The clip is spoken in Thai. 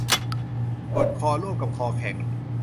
ปวดคอร่วมกับคอแข็ง